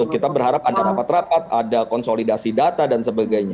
kita berharap ada rapat rapat ada konsolidasi data dan sebagainya